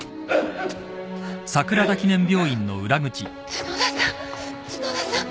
角田さん角田さん